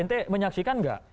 ente menyaksikan gak